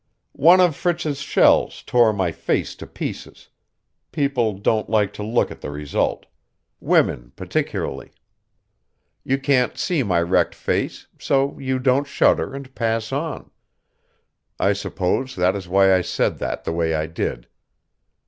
"One of Fritz's shells tore my face to pieces. People don't like to look at the result. Women particularly. You can't see my wrecked face, so you don't shudder and pass on. I suppose that is why I said that the way I did."